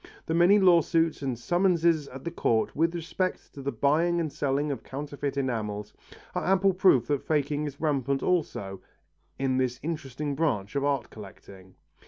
The many lawsuits and summonses at the Courts with respect to the buying and selling of counterfeit enamels, are ample proof that faking is rampant also, in this interesting branch of art collecting.